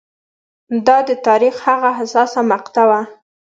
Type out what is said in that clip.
دا د تاریخ هغه حساسه مقطعه وه